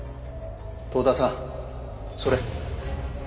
遠田さんそれ。